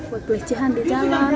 pekelecehan di jalan